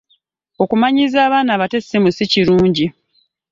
Okumanyiiza abaana abato essimu si kirungi.